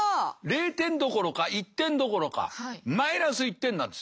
０点どころか１点どころかマイナス１点なんです。